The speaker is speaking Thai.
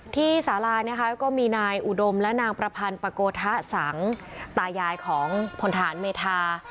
สารานะคะก็มีนายอุดมและนางประพันธ์ปะโกธะสังตายายของพลฐานเมธา